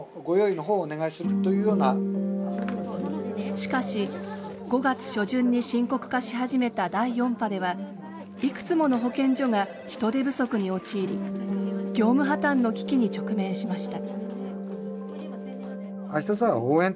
しかし５月初旬に深刻化し始めた第４波ではいくつもの保健所が人手不足に陥り業務破綻の危機に直面しました。